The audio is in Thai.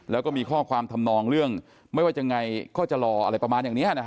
แล้วก็มีข้อความทำนองเรื่องไม่ว่ายังไงก็จะรออะไรประมาณอย่างนี้นะฮะ